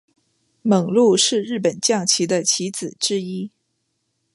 猛鹿是日本将棋的棋子之一。